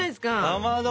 かまど！